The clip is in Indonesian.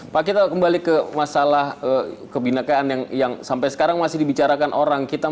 pak kita kembali ke masalah kebinakaan yang sampai sekarang masih dibicarakan orang